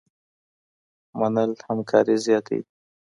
منل همکاري زياتوي.